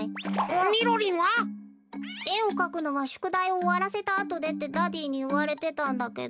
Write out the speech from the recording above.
みろりんは？えをかくのはしゅくだいをおわらせたあとでってダディーにいわれてたんだけど。